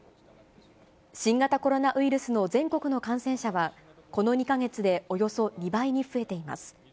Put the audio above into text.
新型コロナウイルスの全国の感染者は、この２か月でおよそ２倍に増えています。